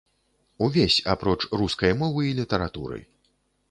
Увесь, апроч рускай мовы і літаратуры.